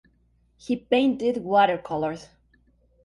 He painted watercolors.